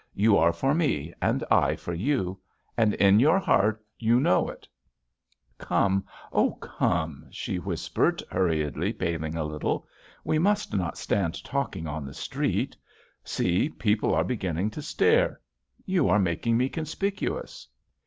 You are for me and I for you I And in your heart, you know it I" "Come, oh, come I" she whispered hur riedly, paling a little. "We must not stand talking on the street. See, people are begin ning to stare. You are making me conspicu ous."